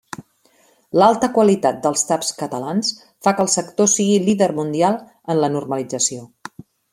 L'alta qualitat dels taps catalans fa que el sector sigui líder mundial en la normalització.